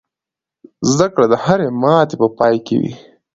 زده کړه د هرې ماتې په پای کې وي.